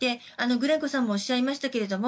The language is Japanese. グレンコさんもおっしゃいましたが